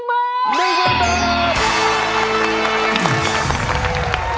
๑หมื่นบาท